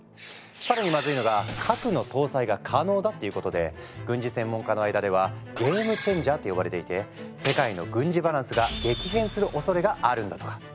更にまずいのが核の搭載が可能だっていうことで軍事専門家の間では「ゲーム・チェンジャー」って呼ばれていて世界の軍事バランスが激変するおそれがあるんだとか。